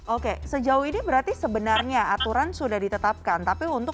oke sejauh ini berarti sebenarnya aturan sudah ditetapkan